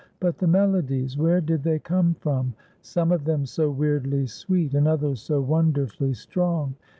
But the melodies, where did they come from? Some of them so weirdly sweet, and others so wonderfully strong.